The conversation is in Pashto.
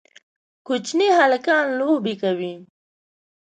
کوچني هلکان لوبه کوي